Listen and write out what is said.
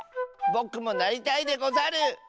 ぼくもなりたいでござる！